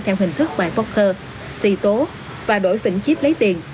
theo hình thức bài poker xì tố và đổi phỉnh chip lấy tiền